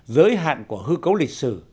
giới hạn của hư cấu lịch sử